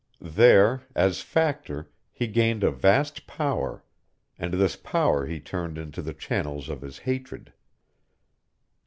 There, as Factor, he gained a vast power; and this power he turned into the channels of his hatred.